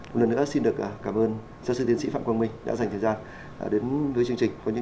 một lần nữa xin được cảm ơn giáo sư tiến sĩ phạm quang minh đã dành thời gian đến với chương trình